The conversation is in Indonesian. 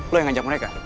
lo yang ngajak mereka